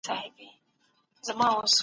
احمد شاه ابدالي څنګه د خپل حکومت بنسټ قوي کړ؟